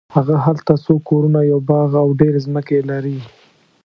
هغه هلته څو کورونه یو باغ او ډېرې ځمکې لري.